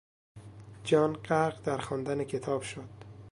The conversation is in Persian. جان غرق در خواندن کتاب شد.